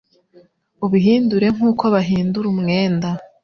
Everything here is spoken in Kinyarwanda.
ubihindure nk’uko bahindura umwenda